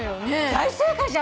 大正解じゃん？